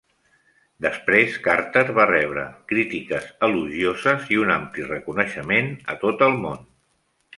Després, Carter va rebre crítiques elogioses i un ampli reconeixement a tot el món.